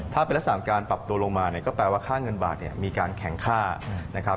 ถ้าเป็นละ๓การปรับตัวลงมาก็แปลว่าค่าเงินบาทมีการแข็งค่านะครับ